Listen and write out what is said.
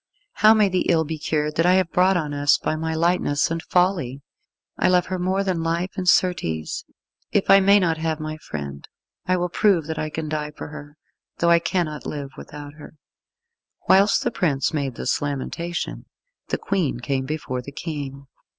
How may the ill be cured that I have brought on us by my lightness and folly! I love her more than life, and, certes, if I may not have my friend I will prove that I can die for her, though I cannot live without her." Whilst the prince made this lamentation, the Queen came before the King.